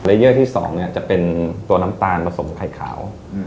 เยอร์ที่๒จะเป็นตัวน้ำตาลผสมไข่ขาว